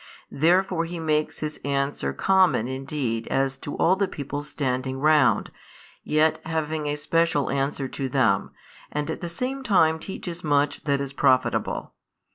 Therefore He makes His answer common indeed as to all the people standing round, yet having a special answer to them, and at the same time teaches much that is profitable.